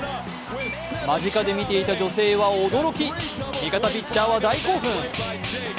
間近で見ていた女性は驚き、味方ピッチャーは大興奮。